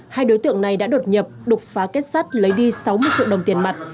hai đối tượng này đã đột nhập đục phá kết sắt lấy đi sáu mươi triệu đồng tiền mặt